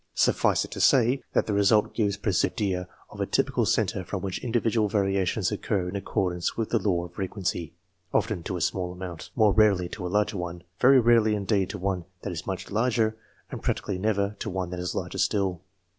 Suffice it to say, that the result gives precision to the idea of a typical centre from which individual variations occur in accordance with the law of frequency, often to a small amount, more rarely to a larger one, very rarely indeed to one that is much larger, and practically never to one that is larger still.